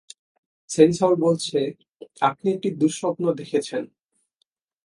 Sensor বলছে, আপনি একটি দুঃস্বপ্ন দেখেছেন।